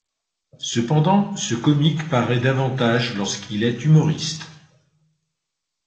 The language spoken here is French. Cependant ce comique paraît davantage lorsqu'il est humoriste.